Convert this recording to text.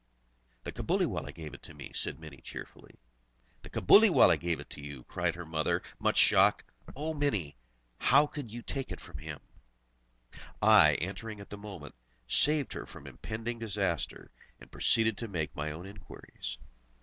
"The Cabuliwallah gave it me," said Mini cheerfully. "The Cabuliwallah gave it you!" cried her mother much shocked. "Oh, Mini! how could you take it from him?" I, entering at the moment, saved her from impending disaster, and proceeded to make my own inquiries.